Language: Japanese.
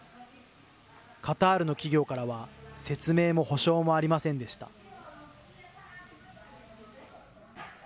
カタールの企業からは、説明も補償もありませんでした。